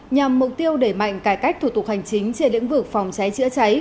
nhằm mục tiêu đẩy mạnh cải cách thủ tục hành chính trên lĩnh vực phòng cháy chữa cháy